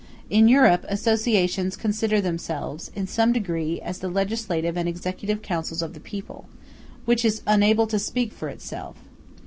In Europe, associations consider themselves, in some degree, as the legislative and executive councils of the people, which is unable to speak for itself.